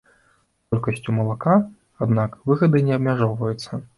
Колькасцю малака, аднак, выгады не абмяжоўваюцца.